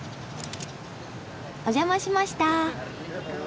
お邪魔しました。